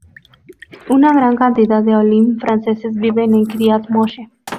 Una gran cantidad de olim franceses viven en Kiryat Moshe.